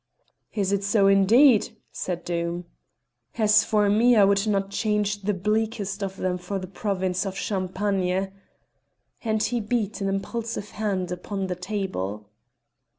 "Is it so, indeed?" said Doom. "As for me, I would not change the bleakest of them for the province of Champagne." And he beat an impulsive hand upon the table.